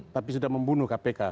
tapi sudah membunuh kpk